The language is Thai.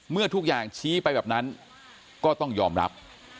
เมื่อทุกอย่างชี้ไปแบบนั้นก็ต้องยอมรับ